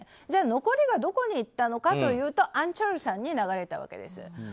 じゃあ、残りがどこにいったのかというとアン・チョルスさんに流れたわけです。